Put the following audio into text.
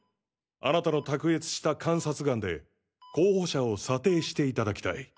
あなたの卓越した観察眼で候補者を査定していただきたい。